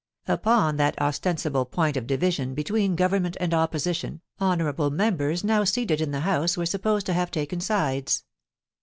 Upon that ostensible point 26 402 POUCY AND PASSIOJST. of division between Government and Opposition, honouiabk members now seated in the House were supposed to haw taken sides.